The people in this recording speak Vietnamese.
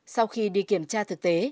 sau khi đi kiểm tra thực tế